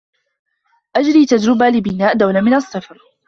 أجري تجربة لبناء دولة من الصفر.